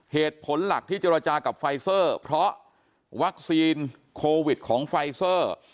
เหตุผลหลักที่เจรจากับไฟเซอร์เพราะวัคซีนโควิดของไฟเซอร์